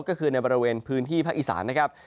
ก็คือในบริเวณพื้นที่ภาคอีสานนะครับ